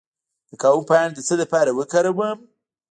د کاهو پاڼې د څه لپاره وکاروم؟